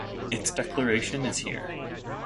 Its declaration is here.